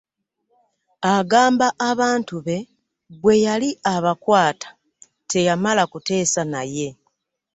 Agamba abantu be bweyali abakwata teyamala kuteesa naye.